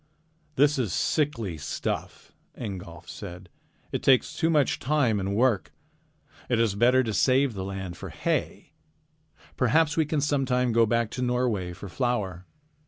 "This is sickly stuff," Ingolf said. "It takes too much time and work. It is better to save the land for hay. Perhaps we can sometime go back to Norway for flour."